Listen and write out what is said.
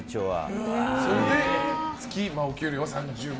それで月、お給料が３０万。